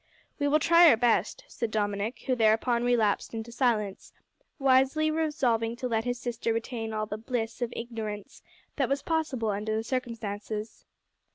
"We will try our best," said Dominick, who thereupon relapsed into silence, wisely resolving to let his sister retain all the "bliss" of "ignorance" that was possible under the circumstances.